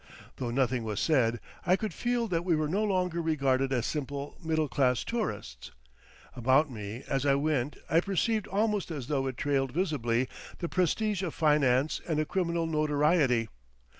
Though nothing was said, I could feel that we were no longer regarded as simple middle class tourists; about me, as I went, I perceived almost as though it trailed visibly, the prestige of Finance and a criminal notoriety.